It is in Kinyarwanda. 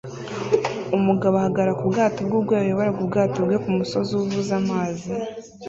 Umugabo ahagarara ku bwato bwe ubwo yayoboraga ubwato bwe kumusozi uvuza amazi